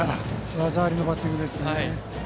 技ありのバッティングですね。